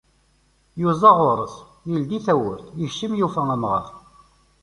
Yuẓa ɣur-s, yeldi tawwurt, yekcem yufa amɣar.